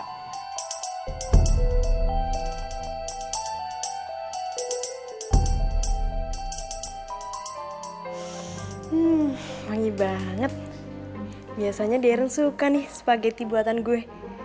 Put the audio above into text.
hmm wangi banget biasanya derin suka nih spageti buatan gue